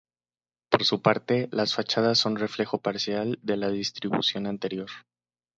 Por su parte, las fachadas son reflejo parcial de la distribución interior.